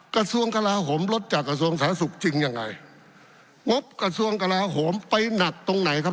กระทรวงกลาโหมลดจากกระทรวงสาธารณสุขจริงยังไงงบกระทรวงกลาโหมไปหนักตรงไหนครับ